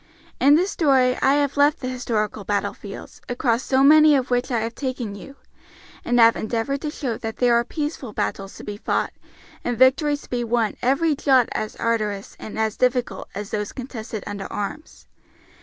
In this story I have left the historical battlefields, across so many of which I have taken you, and have endeavored to show that there are peaceful battles to be fought and victories to be won every jot as arduous and as difficult as those contested under arms.